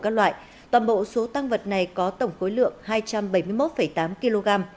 các loại toàn bộ số tăng vật này có tổng khối lượng hai trăm bảy mươi một tám kg